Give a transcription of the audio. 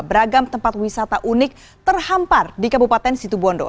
beragam tempat wisata unik terhampar di kabupaten situbondo